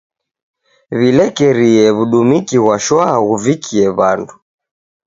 W'ilekerie w'udumiki ghwa shwaa ghuvikie w'andu.